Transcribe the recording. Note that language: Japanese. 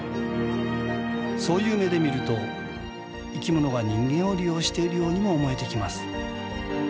そういう目で見ると生き物が人間を利用しているようにも思えてきます。